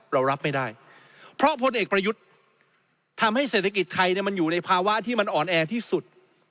เรารับไม่ได้เพราะพลเอกประยุทธ์ทำให้เศรษฐกิจไทยมันอยู่ในภาวะที่มันอ่อนแอที่สุด